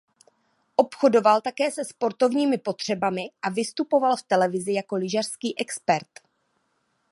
Obchodoval také se sportovními potřebami a vystupoval v televizi jako lyžařský expert.